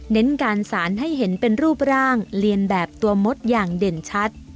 เน้นการสารให้เห็นเป็นรูปร่างเรียนแบบตัวมดอย่างเด่นชัด